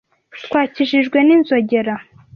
Twakijijwe n'inzogera.